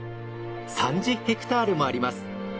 ３０ヘクタールもあります。